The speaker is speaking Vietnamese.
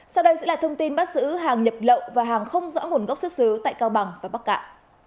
sau đây sẽ là thông tin bắt giữ hàng nhập lậu và hàng không rõ nguồn gốc xuất xứ tại cao bằng và bắc cạn